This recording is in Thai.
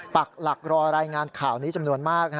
ปักหลักรอรายงานข่าวนี้จำนวนมาก